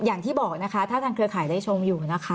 อย่างที่บอกนะคะถ้าทางเครือข่ายได้ชมอยู่นะคะ